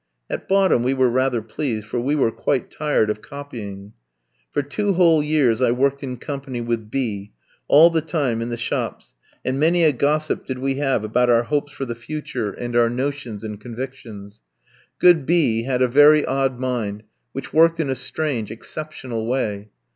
At bottom we were rather pleased, for we were quite tired of copying. For two whole years I worked in company with B ski, all the time in the shops, and many a gossip did we have about our hopes for the future and our notions and convictions. Good B ski had a very odd mind, which worked in a strange, exceptional way.